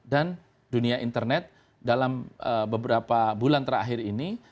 dan dunia internet dalam beberapa bulan terakhir ini